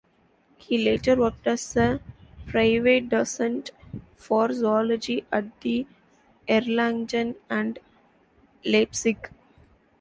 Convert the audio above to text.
He later worked as a Privatdozent for zoology at the Erlangen and Leipzig.